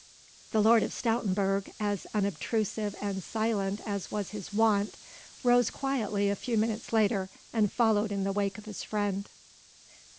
The Lord of Stoutenburg as unobtrusive and silent as was his wont rose quietly a few minutes later and followed in the wake of his friend.